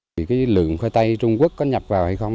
vì cái lượng khoai tây trung quốc có nhập vào hay không